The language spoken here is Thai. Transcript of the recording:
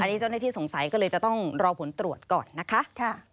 อันนี้เจ้าหน้าที่สงสัยก็เลยจะต้องรอผลตรวจก่อนนะคะ